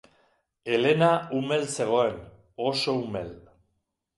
Elena umel zegoen, oso umel.